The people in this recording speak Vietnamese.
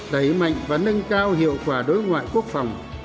đẩy mạnh và nâng cao hiệu quả đối ngoại quốc phòng